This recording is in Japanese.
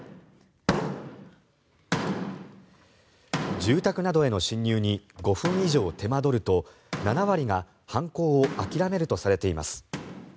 住宅などへの侵入に５分以上手間取ると７割が犯行を諦めるとされています。